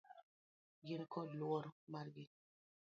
Gin kod luor margi.